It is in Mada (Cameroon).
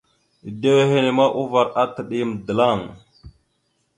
Edewa henne ma uvar ataɗ yam dəlaŋ.